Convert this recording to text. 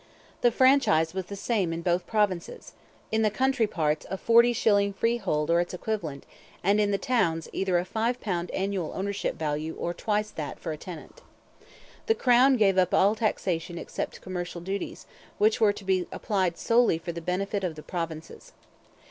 The franchise was the same in both provinces: in the country parts a forty shilling freehold or its equivalent, and in the towns either a five pound annual ownership value or twice that for a tenant. The Crown gave up all taxation except commercial duties, which were to be applied solely for the benefit of the provinces.